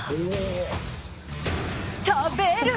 食べる。